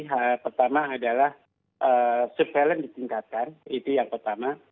hal pertama adalah surveillance ditingkatkan itu yang pertama